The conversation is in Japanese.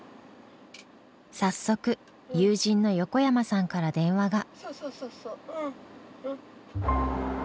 早速友人の横山さんから電話が。